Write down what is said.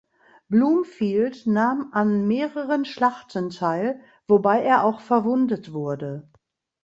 Bloomfield nahm an mehreren Schlachten teil, wobei er auch verwundet wurde.